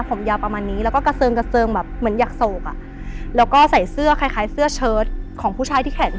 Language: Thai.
ผมยาวประมาณนี้แล้วก็กระเซิงแบบเหมือนยักษ์โศกอะแล้วก็ใส่เสื้อคล้ายเสื้อเชิ้ตของผู้ชายที่แข่งสั้น